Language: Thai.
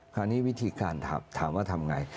คราวนี้วิธีการทำถามว่าทำไง